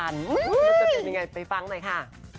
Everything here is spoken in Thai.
มันจะเปลี่ยนยังไงไปฟังหน่อยค่ะ